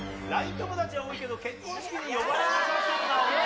友達は多いけど結婚式に呼ばれなさそうな女。